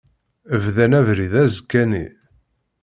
Bdan abrid azekka-nni.